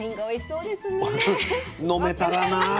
飲めたらな。